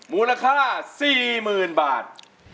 มูลค่าสี่หมื่นบาท